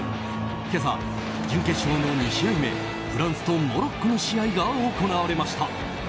今朝、準決勝の２試合目フランスとモロッコの試合が行われました。